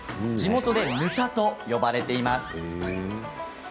地元で、ぬたと呼ばれています。